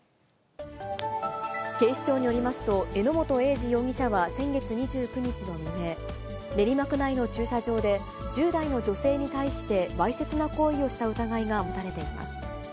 警視庁によりますと、榎本栄二容疑者は先月２９日の未明、練馬区内の駐車場で１０代の女性に対して、わいせつな行為をした疑いが持たれています。